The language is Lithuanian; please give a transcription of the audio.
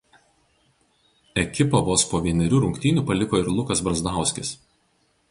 Ekipą vos po vienerių rungtynių paliko ir Lukas Brazdauskis.